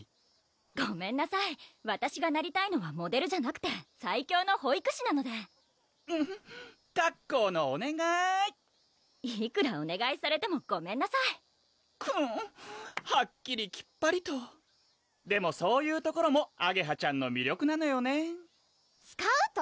ごめんなさいわたしがなりたいのはモデルじゃなくて最強の保育士なのでカッコーのおねがいいくらおねがいされてもごめんなさいクゥはっきりきっぱりとでもそういうところもあげはちゃんの魅力なのよねスカウト？